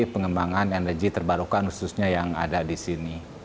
pengembangan energi terbarukan khususnya yang ada di sini